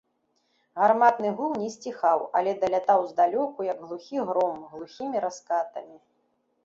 Гарматны гул не сціхаў, але далятаў здалёку, як глухі гром, глухімі раскатамі.